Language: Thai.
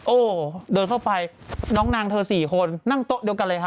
โอ้เดินเข้าไปน้องนางเธอ๔คนนั่งโต๊ะเดียวกันเลยฮะ